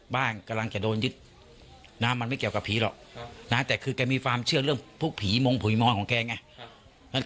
บ้านกำลังจะโดนยึดนะมันไม่เกี่ยวกับผีหรอกนะแต่คือแกมีความเชื่อเรื่องพวกผีมงผุยมอนของแกไง